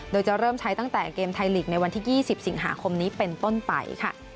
โดยจะเริ่มใช้ตั้งแต่เกมไทยลีกในวันที่๒๐สิงหาคมนี้เป็นต้นไปค่ะ